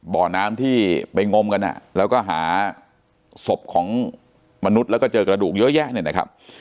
บ่อน้ำที่ไปงมกันแล้วก็หาศพของมนุษย์แล้วก็เจอกระดูกเยอะแยะเนี่ยนะครับ